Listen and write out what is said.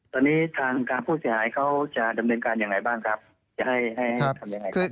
ตอนนี้ทางทางผู้เสียหายเขาจะดำเนินการอย่างไรบ้างครับจะให้ให้ทำยังไงครับ